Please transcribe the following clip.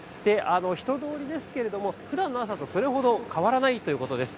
人どおりですけれども、ふだんの朝とそれほど変わらないということです。